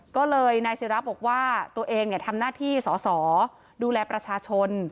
ก็เลยนายศิราบอกว่าตัวเองทำหน้าที่สอสอดูแลประชาชน